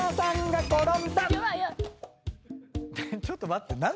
ちょっと待って。